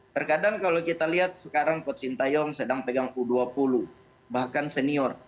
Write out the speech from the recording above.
terkadang kalau kita lihat sekarang coach sintayong sedang pegang u dua puluh bahkan senior